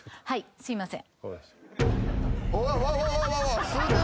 すいません。